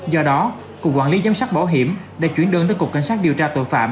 do đó cục quản lý giám sát bảo hiểm đã chuyển đơn tới cục cảnh sát điều tra tội phạm